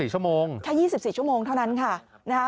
๒๔ชั่วโมงค่ะแค่๒๔ชั่วโมงเท่านั้นค่ะนะคะ